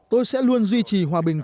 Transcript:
tôi sẽ luôn duy trì hòa bình